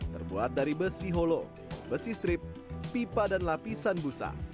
terbuat dari besi holo besi strip pipa dan lapisan busa